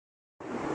یا ہونا کہ جدید